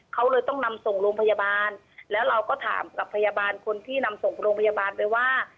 เขาเลยต้องนำส่งโรงพยาบาลแล้วเราก็ถามกับพยาบาลคนที่นำส่งโรงพยาบาลไปว่า